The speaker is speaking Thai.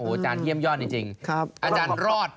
อาจารย์เยี่ยมยอดจริงอาจารย์รอด